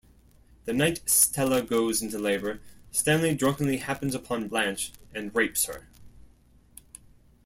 The night Stella goes into labor, Stanley drunkenly happens upon Blanche and rapes her.